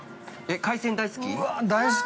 ◆海鮮大好き？